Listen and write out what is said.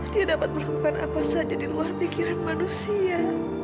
dia dapat melakukan apa saja di luar pikiran manusia